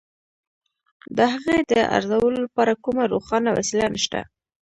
د هغې د ارزولو لپاره کومه روښانه وسیله نشته.